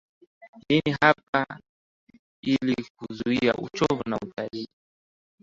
nini hapa Ili kuzuia uchovu wa utalii